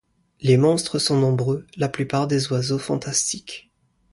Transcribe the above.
Les monstres sont nombreux, la plupart des oiseaux fantastiques.